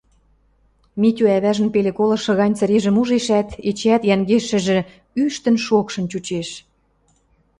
Митю ӓвӓжӹн пеле колышы гань цӹрежӹм ужешӓт, эчеӓт йӓнгешӹжӹ ӱштӹн-шокшын чучеш